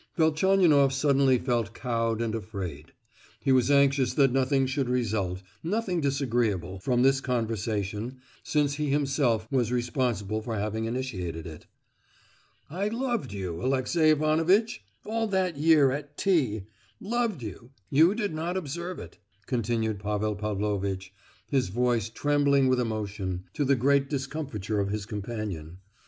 Velchaninoff suddenly felt cowed and afraid. He was anxious that nothing should result—nothing disagreeable—from this conversation, since he himself was responsible for having initiated it. "I loved you, Alexey Ivanovitch; all that year at T—— I loved you—you did not observe it," continued Pavel Pavlovitch, his voice trembling with emotion, to the great discomfiture of his companion.